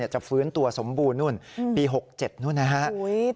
จะฟื้นตัวสมบูรณนู่นปี๖๗นู่นนะครับ